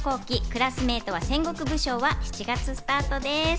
クラスメイトは戦国武将』は７月スタートです。